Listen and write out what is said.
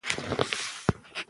اخلاص اعتماد زیاتوي.